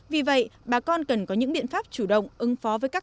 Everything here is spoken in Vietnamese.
vì vậy bà con cần có những biện pháp chủ động ứng phó với các